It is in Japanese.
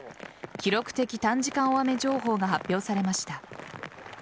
記録的短時間大雨情報が発表されました。